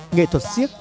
nghệ thuật siếc